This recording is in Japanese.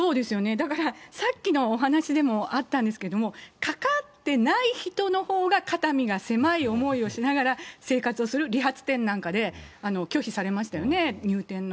だから、さっきのお話でもあったんですけれども、かかってない人のほうが肩身が狭い思いをしながら生活をする、理髪店なんかで拒否されましたね、入店の。